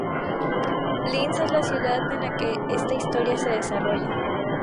Linz es la ciudad en la que esta historia se desarrolla.